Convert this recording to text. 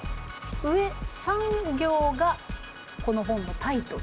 上３行がこの本のタイトル。